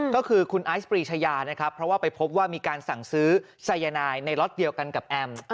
ก็คือคุณไอซ์ปรีชายานะครับเพราะว่าไปพบว่ามีการสั่งซื้อสายนายในล็อตเดียวกันกับแอม